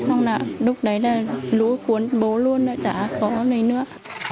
xong là lúc đấy là lũ cuốn bố luôn chả có gì nữa